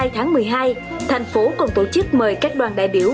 thành phố còn tổ chức mời các đoàn đại biểu